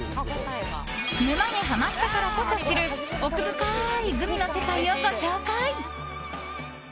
沼にハマったからこそ知る奥深いグミの世界をご紹介。